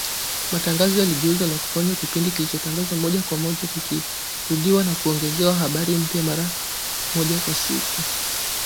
Matangazo yaligeuzwa na kufanywa kipindi kilichotangazwa moja kwa moja, , kikirudiwa na kuongezewa habari mpya, mara moja kwa siku